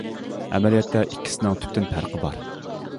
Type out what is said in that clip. ئەمەلىيەتتە، ئىككىسىنىڭ تۈپتىن پەرقى بار.